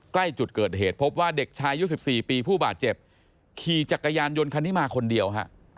ใกล้จุดเกิดเหตุพบว่าเด็กชายอายุ๑๔ปีผู้บาดเจ็บขี่จักรยานยนต์คันนี้มาคนเดียวฮะ